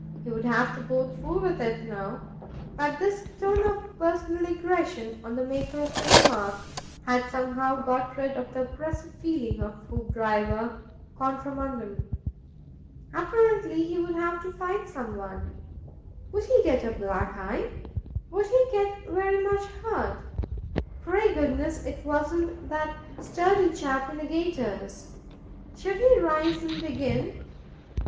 He would have to go through with it now. But this tone of personal aggression on the maker of the remark had somehow got rid of the oppressive feeling of Hoopdriver contra mundum. Apparently, he would have to fight someone. Would he get a black eye? Would he get very much hurt? Pray goodness it wasn't that sturdy chap in the gaiters! Should he rise and begin?